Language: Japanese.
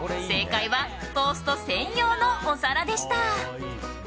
正解はトースト専用のお皿でした。